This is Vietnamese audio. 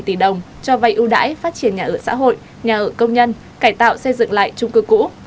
một trăm hai mươi tỷ đồng cho vai ưu đãi phát triển nhà ở xã hội nhà ở công nhân cải tạo xây dựng lại trung cư cũ